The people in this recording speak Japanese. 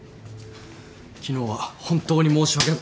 昨日は本当に申し訳。